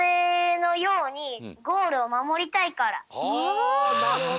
あなるほど！